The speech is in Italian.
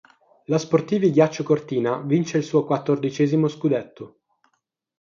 La Sportivi Ghiaccio Cortina vince il suo quattordicesimo scudetto.